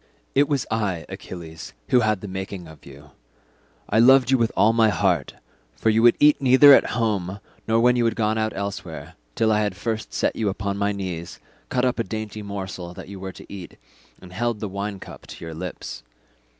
"It was I, Achilles, who had the making of you; I loved you with all my heart: for you would eat neither at home nor when you had gone out elsewhere, till I had first set you upon my knees, cut up the dainty morsel that you were to eat, and held the wine cup to your lips.